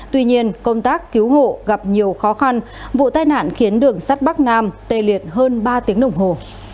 tuy nhiên công tác cứu hộ gặp nhiều khó khăn vụ tai nạn khiến đường sắt bắc nam tê liệt hơn ba tiếng đồng hồ